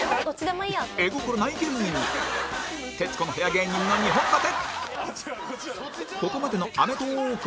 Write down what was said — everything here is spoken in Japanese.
絵心ない芸人に徹子の部屋芸人の２本立て